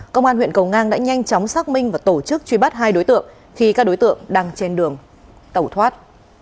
công an huyện cầu ngang đã nhanh chóng xác minh và tổ chức truy bắt hai đối tượng khi các đối tượng đang trên đường tẩu thoát